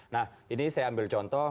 nah ini saya ambil contoh